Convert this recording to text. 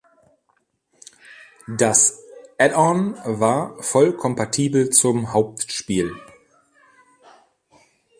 Das Add-on war voll kompatibel zum Hauptspiel.